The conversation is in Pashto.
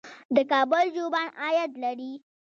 د کابل ژوبڼ عاید لري